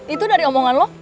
itu dari omongan lo